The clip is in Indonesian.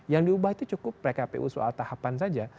yang diubah itu cukup pkpu soal tahapan saja